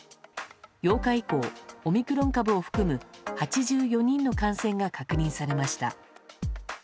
８日以降、オミクロン株を含む８４人の感染が確認されました。